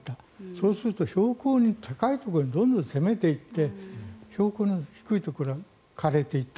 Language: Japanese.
そうすると標高の高いところにどんどん攻めていって標高の低いところは枯れていった。